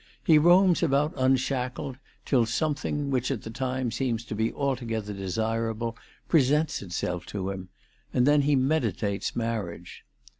He roams about unshackled, till something, which at the time seems to be altogether Mesirable, presents itself to him ; and then he meditates marriage.